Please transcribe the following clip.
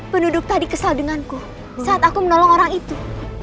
penduduk tadi kesal denganku saat aku menolong orang itu